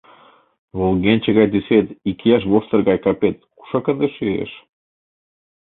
Волгенче гай тӱсет, икияш воштыр гай капет кушак ынде шӱеш?